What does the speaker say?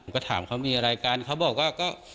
ก็ถามเขามีอะไรกันเขาบอกว่าก็